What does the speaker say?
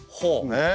ねえ！